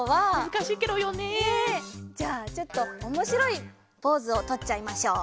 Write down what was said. じゃあちょっとおもしろいポーズをとっちゃいましょう。